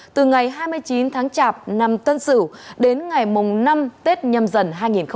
từ ngày hai mươi chín tháng chạp năm tân sửu đến ngày năm tết nhâm dần hai nghìn hai mươi